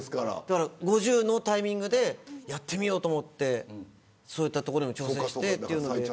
５０のタイミングでやってみようと思ってそういったところに挑戦して。